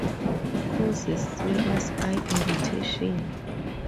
Causes serious eye irritation.